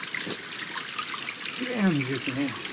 きれいな水ですね。